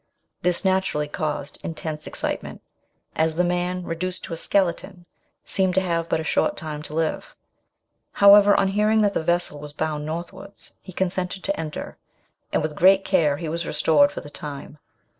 Thi naturally caused intense excitement, as the man, reduced to a skeleton, seemed to have but a short time to live. However, on hearing that the vessel was bound northwards, he consented to enter, and with great care he was restored for the time.